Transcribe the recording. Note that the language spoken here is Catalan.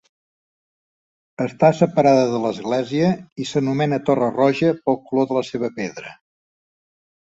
Està separada de l'església i s'anomena Torre Roja pel color de la seva pedra.